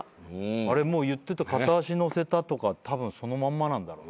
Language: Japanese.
あれもう言ってた片足乗せたとかたぶんそのまんまなんだろうね。